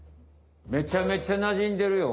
めちゃめちゃなじんでるよ。